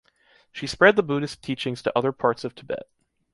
She spread the Buddhist teachings to other parts of Tibet.